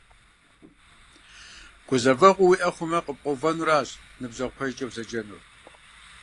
Гузэвэгъуэ уиӀэ хъумэ, къыпкъуэувэращ ныбжьэгъу пэжкӀэ узэджэнур.